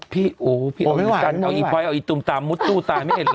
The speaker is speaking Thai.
พี่โอ้พี่กันเอาอีฟ้อยเอาอีตุ้มตามมุดตู้ตายไม่เห็นหรอก